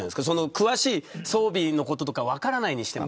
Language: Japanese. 詳しい装備のこととか分からないにしても。